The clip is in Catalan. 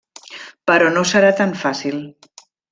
Però no serà tan fàcil.